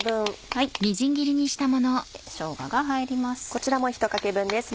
しょうがが入ります。